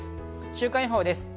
週間予報です。